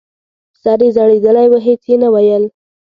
سر یې ځړېدلی و هېڅ یې نه ویل !